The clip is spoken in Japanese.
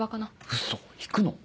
ウソ行くの？